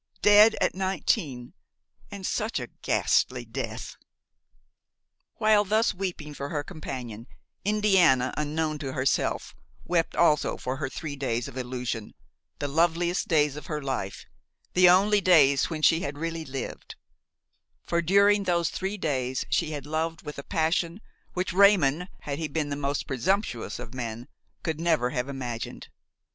Dead at nineteen and such a ghastly death!" While thus weeping for her companion, Indiana, unknown to herself, wept also for her three days of illusion, the loveliest days of her life, the only days when she had really lived; for during those three days she had loved with a passion which Raymon, had he been the most presumptuous of men, could never have imagined.